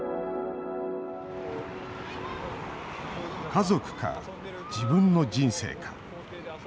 家族か、自分の人生か。